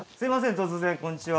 突然こんにちは。